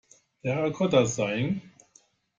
Terracotta sighing.